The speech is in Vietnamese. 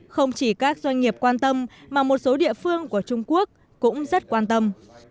không chỉ các doanh nghiệp quan tâm mà một số địa phương của trung quốc cũng rất quan tâm